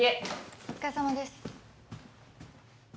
お疲れさまです。